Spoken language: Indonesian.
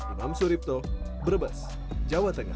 imam suripto brebes jawa tengah